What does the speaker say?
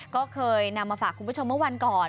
ก็เคยนำมาฝากคุณผู้ชมเมื่อวันก่อน